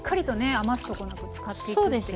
余すとこなく使っていくという。